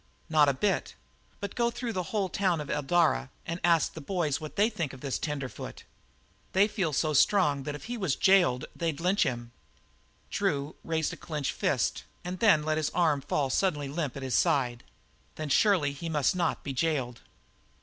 "Not a bit. But go through the whole town or Eldara and ask the boys what they think of this tenderfoot. They feel so strong that if he was jailed they'd lynch him." Drew raised a clenched fist and then let his arm fall suddenly limp at his side. "Then surely he must not be jailed."